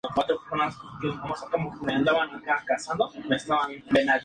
Andy García siempre ha estado orgulloso de su herencia cubana.